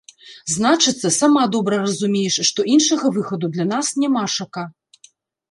Значыцца, сама добра разумееш, што іншага выхаду для нас нямашака.